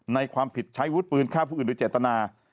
ในความผิดใช้วุฒิปืนฆ่าผู้อื่นโดยเจตนา